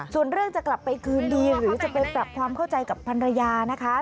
ส่วนเรื่องจะกลับไปคืนดีหรือจะไปปรับความเข้าใจกับพันรยานะคะ